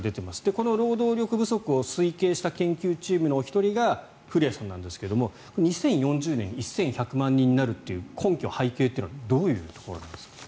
この労働力不足を推計した研究チームのお一人が古屋さんなんですけども２０４０年１１００万人足りなくなるという根拠、背景はどういうところなんですか？